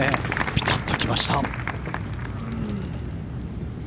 ピタっと来ました。